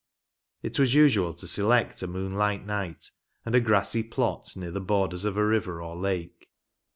It was usual to select a moonlight night, and a grassy plot near the borders of a river or lake.